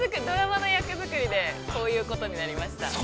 ドラマの役作りでこういうことになりました。